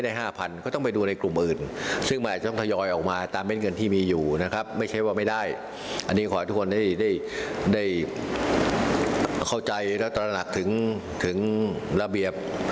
นั่นไงคุณสุภาษาราไปไกลกว่านั้นก็มีความหวังไง